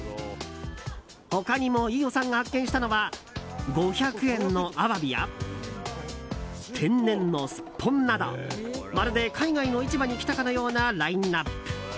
他にも飯尾さんが発見したのは５００円のアワビや天然のスッポンなどまるで、海外の市場に来たかのようなラインアップ。